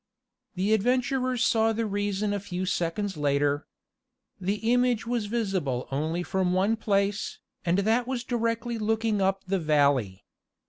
The adventurers saw the reason a few seconds later. The image was visible only from one place, and that was directly looking up the valley.